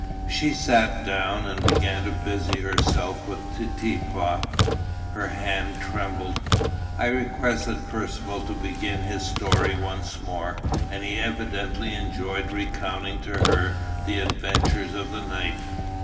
She sat down and began to busy herself with the teapot. Her hand trembled. I requested Percivale to begin his story once more; and he evidently enjoyed recounting to her the adventures of the night.